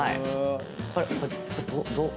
これどう。